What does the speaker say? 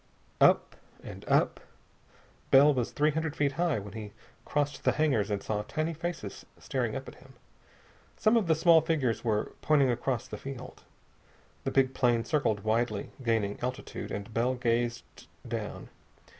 Up, and up.... Bell was three hundred feet high when he crossed the hangars and saw tiny faces staring up at him. Some of the small figures were pointing across the field. The big plane circled widely, gaining altitude, and Bell gazed down.